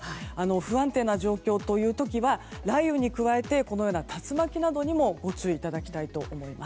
不安定な状況という時は雷雨に加えてこのような竜巻などにもご注意いただきたいと思います。